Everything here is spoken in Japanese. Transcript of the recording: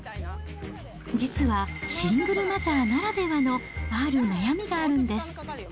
実は、シングルマザーならではのある悩みがあるんです。